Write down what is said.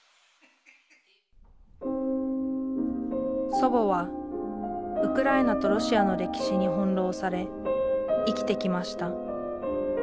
祖母はウクライナとロシアの歴史に翻弄され生きてきました